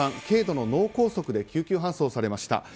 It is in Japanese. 軽度の脳梗塞で救急搬送されました。